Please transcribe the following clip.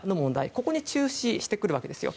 ここに注視してくるわけですよ。